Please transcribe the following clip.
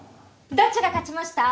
どっちが勝ちました？